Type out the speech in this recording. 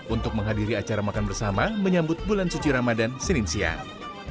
untuk menghadiri acara makan bersama menyambut bulan suci ramadan senin siang